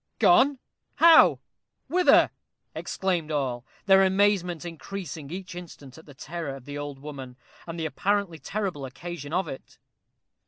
"Gone! How? Whither?" exclaimed all, their amazement increasing each instant at the terror of the old woman, and the apparently terrible occasion of it.